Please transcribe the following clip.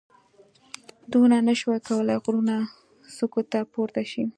دوی نه شوای کولای غرونو څوکو ته پورته شي.